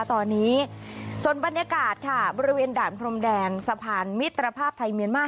ตอนนี้ส่วนบรรยากาศค่ะบริเวณด่านพรมแดนสะพานมิตรภาพไทยเมียนมาร์